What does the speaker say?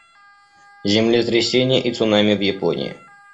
Землетрясение и цунами в Японии.